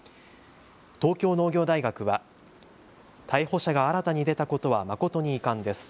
東京農業大学は逮捕者が新たに出たことは誠に遺憾です。